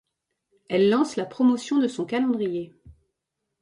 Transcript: Elle lance la promotion de son calendrier.